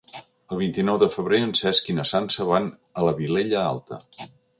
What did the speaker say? El vint-i-nou de febrer en Cesc i na Sança van a la Vilella Alta.